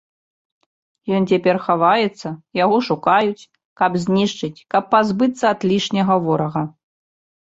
Ён цяпер хаваецца, яго шукаюць, каб знішчыць, каб пазбыцца ад лішняга ворага.